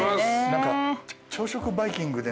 何か。